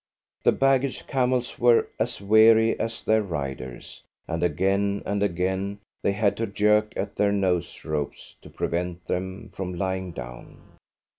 The baggage camels were as weary as their riders, and again and again they had to jerk at their nose ropes to prevent them from lying down.